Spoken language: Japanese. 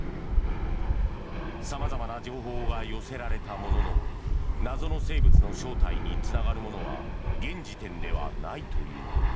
様々な情報が寄せられたものの謎の生物の正体につながるものは現時点ではないという。